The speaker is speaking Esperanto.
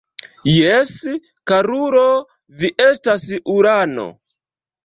Jes, karulo, vi estas ulano.